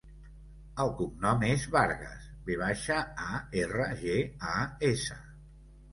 El cognom és Vargas: ve baixa, a, erra, ge, a, essa.